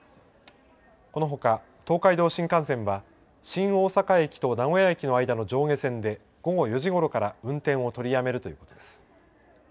このほか、東海道新幹線は、新大阪駅と名古屋駅の間の上下線で午後４時ごろから運転を取りやめるということです。